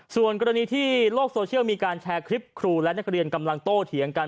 ส่วนกรณีที่โลกโซเชียลมีการแชร์คลิปครูและนักเรียนกำลังโต้เถียงกัน